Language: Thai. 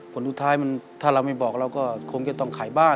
ผลสุดท้ายถ้าเราไม่บอกเราก็คงจะต้องขายบ้าน